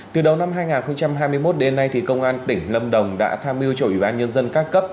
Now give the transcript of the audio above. từ đầu năm hai nghìn hai mươi một đến nay công an tỉnh lâm đồng đã tham mưu chủ yếu an nhân dân các cấp